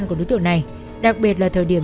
cảm ơn các bạn đã theo dõi